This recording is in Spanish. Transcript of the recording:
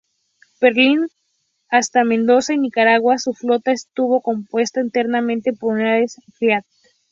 Pellegrini hasta Mendoza y Nicaragua.Su flota estuvo compuesta enteramente por unidades Fiat.